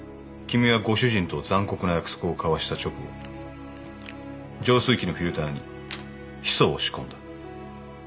君はご主人と残酷な約束を交わした直後浄水器のフィルターにヒ素を仕込んだ。